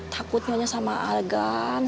takut sama agan